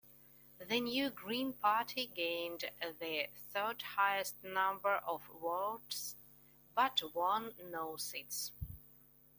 The new Green Party gained the third-highest number of votes, but won no seats.